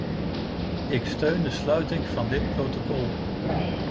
Ik steun de sluiting van dit protocol.